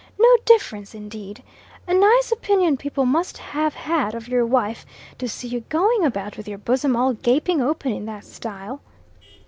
no difference, indeed? A nice opinion people must have had of your wife, to see you going about with your bosom all gaping open in that style?"